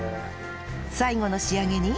最後の仕上げに